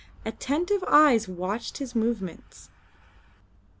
Attentive eyes watched his movements.